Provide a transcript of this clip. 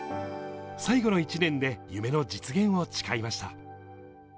最後の１年で夢の実現を誓いました。